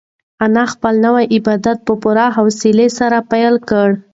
انا خپل نوی عبادت په پوره خلوص سره پیل کړ.